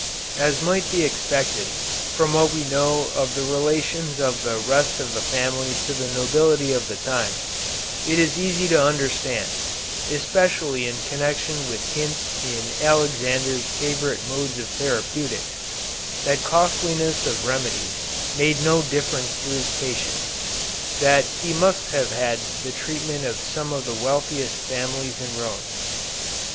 As might be expected from what we know of the relations of the rest of the family to the nobility of the time, it is easy to understand, especially in connection with hints in Alexander's favorite modes of therapeutics, that costliness of remedies made no difference to his patients, that he must have had the treatment of some of the wealthiest families in Rome.